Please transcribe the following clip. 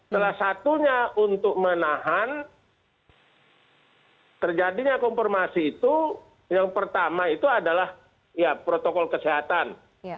salah satunya untuk menahan terjadinya konfirmasi itu yang pertama itu adalah protokol kesehatan